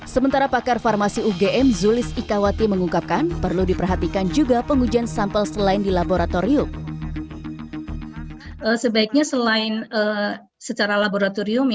sementara pakar farmasi ugm zulis ikawati mengungkapkan perlu diperhatikan juga pengujian sampel selain di laboratorium